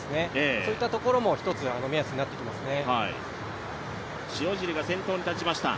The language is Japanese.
そういったところも一つ目安になってきますね。